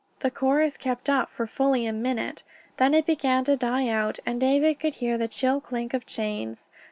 The chorus kept up for fully a minute. Then it began to die out, and David could hear the chill clink of chains.